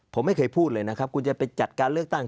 ผมไม่เคยพูดเลยนะครับคุณจะไปจัดการเลือกตั้ง